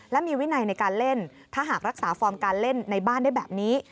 และมีวินัยในการเล่นถ้าหากรักษาฟอร์มการเล่นในบ้านได้แบบนี้